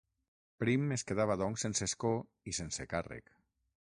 Prim es quedava doncs sense escó i sense càrrec.